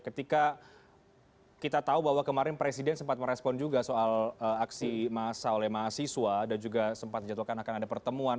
ketika kita tahu bahwa kemarin presiden sempat merespon juga soal aksi massa oleh mahasiswa dan juga sempat dijadwalkan akan ada pertemuan